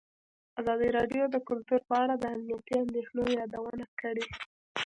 ازادي راډیو د کلتور په اړه د امنیتي اندېښنو یادونه کړې.